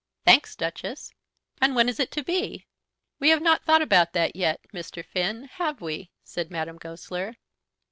"Thanks, Duchess." "And when is it to be?" "We have not thought about that yet, Mr. Finn, have we?" said Madame Goesler.